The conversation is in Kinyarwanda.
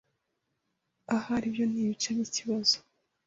Ahari ibyo nibice byikibazo.